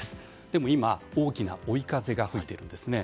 でも、今大きな追い風が吹いているんです。